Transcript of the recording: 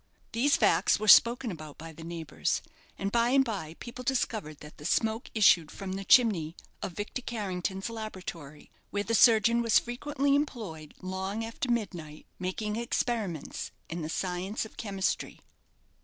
These facts were spoken about by the neighbours; and by and by people discovered that the smoke issued from the chimney of Victor Carrington's laboratory, where the surgeon was frequently employed, long after midnight, making experiments in the science of chemistry.